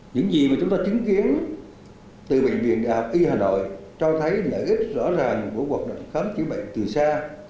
những gì mà chúng ta chứng kiến từ bệnh viện đại học y hà nội cho thấy lợi ích rõ ràng của hoạt động khám chữa bệnh từ xa